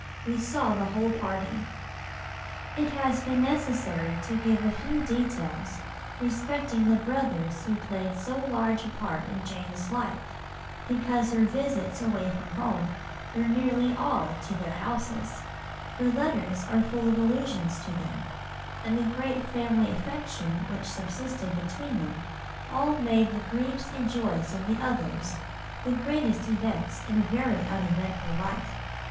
We saw the whole party." It has been necessary to give a few details respecting the brothers who played so large a part in Jane's life, because her visits away from home were nearly all to their houses, her letters are full of allusions to them, and the great family affection which subsisted between them all made the griefs and joys of the others the greatest events in a very uneventful life.